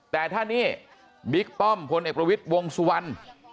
แต่ถ้านี่บิ๊กป้อมพลเอกประวิทย์วงสุวรรณ